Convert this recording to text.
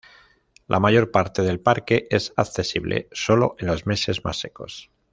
La mayor parte del parque es accesible solo en los meses más secos.